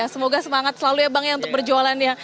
semoga semangat selalu ya bang yang berjualan